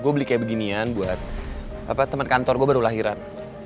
gua beli kayak beginian buat temen kantor gua baru lahiran